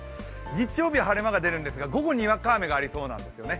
日曜日晴れ間が出るんですが午後、にわか雨がありそうなんですよね。